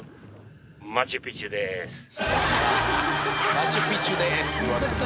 「マチュピチュでーす」って言われても。